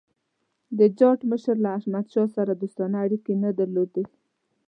د جاټ مشر له احمدشاه سره دوستانه اړیکي نه درلودل.